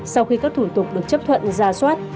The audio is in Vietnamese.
sau khi các thủ tục được chấp thuận ra soát